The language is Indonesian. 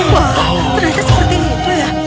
wah berasa seperti itu ya